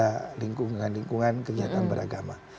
ikut menjaga lingkungan lingkungan kenyataan beragama